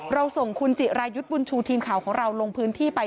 เราส่งคุณจิรายุทธ์บุญชูทีมข่าวของเราลงพื้นที่ไป